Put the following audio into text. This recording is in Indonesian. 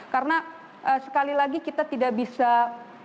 karena sekali lagi kita tidak bisa menutup mata gitu ya